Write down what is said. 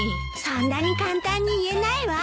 そんなに簡単に言えないわ。